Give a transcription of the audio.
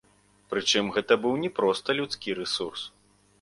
Прычым гэта быў не проста людскі рэсурс.